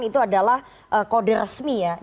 itu adalah kode resmi ya